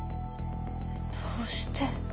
どうして。